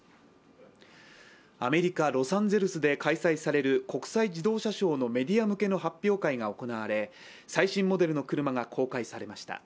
アメリカ・ロサンゼルスで開催される国際自動車ショーのメディア向けの発表会が行われ最新モデルの車が公開されました。